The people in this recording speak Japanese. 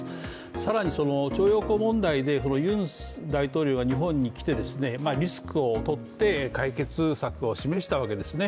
更に徴用工問題でユン大統領が日本に来てリスクをとって解決策を示したわけですね。